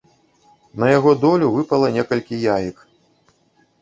На яго долю выпала некалькі яек.